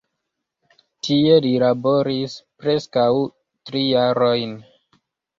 Tie li laboris preskaŭ tri jarojn.